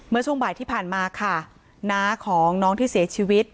ช่วงบ่ายที่ผ่านมาค่ะน้าของน้องที่เสียชีวิต